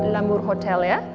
lamur hotel ya